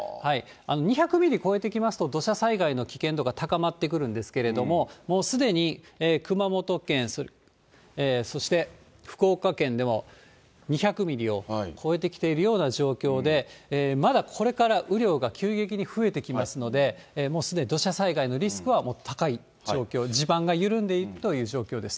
２００ミリ超えてきますと、土砂災害の危険度が高まってくるんですけれども、もうすでに熊本県、そして福岡県でも２００ミリを超えてきているような状況で、まだこれから雨量が急激に増えてきますので、もうすでに土砂災害のリスクはもう高い状況、地盤が緩んでいるという状況です。